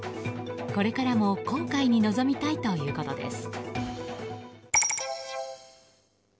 これからも航海に臨みたいということです。